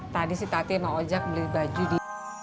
tadi si tati sama ojak beli baju di